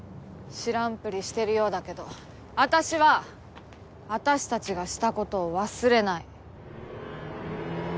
知らんぷりしてるようだけど私は私たちがした事を忘れない。